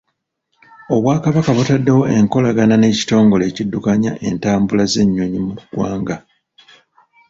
Obwakabaka butaddewo enkolagana n'ekitongole ekiddukanya entambula z'ennyonyi mu ggwanga.